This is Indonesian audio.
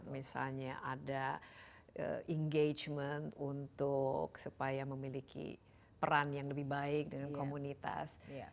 misalnya ada engagement untuk supaya memiliki peran yang lebih baik dengan komunitas